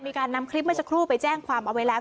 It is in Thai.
มีการนำคลิปเมื่อสักครู่ไปแจ้งความเอาไว้แล้ว